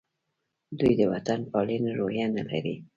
دوی د وطن پالنې روحیه نه لري.